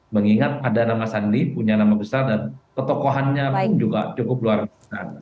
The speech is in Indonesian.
mengingat ada nama sandi punya nama besar dan ketokohannya pun juga cukup luar biasa